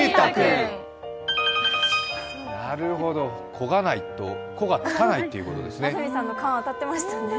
「こがない」、「コ」がつかないっていうことですね。